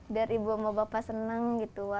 biar ibu sama bapak senang gitu